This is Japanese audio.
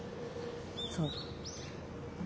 そう。